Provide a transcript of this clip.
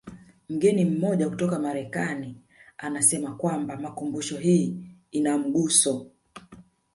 Mgeni mmoja kutoka Marekani anasema kwamba makumbusho hii ina mguso